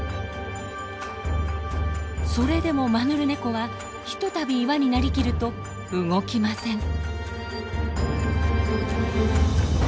それでもマヌルネコはひとたび岩になりきると動きません。